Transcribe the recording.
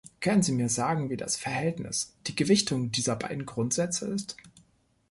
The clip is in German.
Können Sie mir sagen, wie das Verhältnis, die Gewichtung dieser beiden Grundsätze ist?